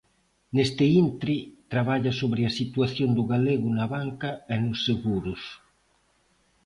Neste intre, traballa sobre a situación do galego na banca e nos seguros.